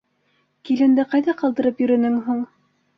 Киленде ҡайҙа ҡалдырып йөрөнөң һуң?